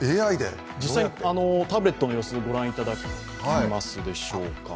実際にタブレットの様子、御覧いただけますでしょうか。